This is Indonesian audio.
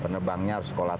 penebangnya harus kolat